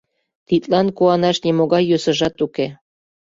Тидлан куанаш нимогай йӧсыжат уке.